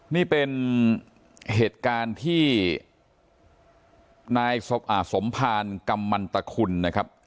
นี่เป็นเหตุการณ์ที่นายสมภารกำมันตะคุณนะครับ